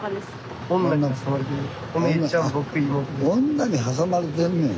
女にはさまれてんねん。